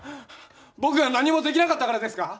僕が何もできなかったからですか？